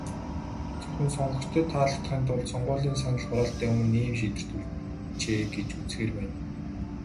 Зөвхөн сонгогчдод таалагдахын тулд, сонгуулийн санал хураалтын өмнө ийм шийдвэрт хүрчээ гэж үзэхээр байна.